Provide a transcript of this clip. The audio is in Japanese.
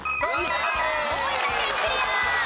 大分県クリア！